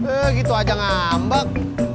eh gitu aja ngambek